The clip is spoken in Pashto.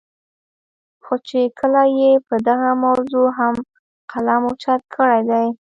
خو چې کله ئې پۀ دغه موضوع هم قلم اوچت کړے دے